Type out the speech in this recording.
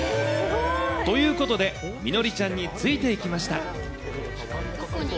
ということで、みのりちゃんについていきました。